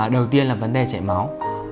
đầu tiên là vấn đề chảy máu